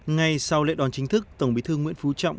ngay sau lễ đón chính thức tổng bí thư nguyễn phú trọng